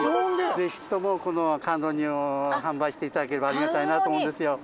ぜひともこの甘露煮を販売して頂ければありがたいなと思うんですよ。